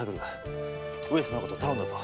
上様のこと頼んだぞ。